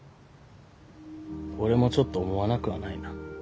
俺もちょっと思わなくはないな。